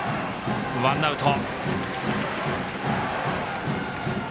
ワンアウト。